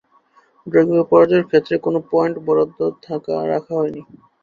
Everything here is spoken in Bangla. ড্র কিংবা পরাজয়ের ক্ষেত্রে কোন পয়েন্ট বরাদ্দ রাখা হয়নি।